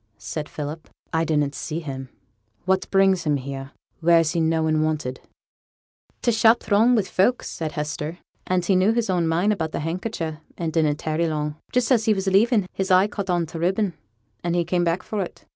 said Philip; 'I didn't see him. What brings him here, where he's noan wanted?' 'T' shop were throng wi' folk,' said Hester, 'and he knew his own mind about the handkercher, and didn't tarry long. Just as he was leaving, his eye caught on t' ribbon, and he came back for it.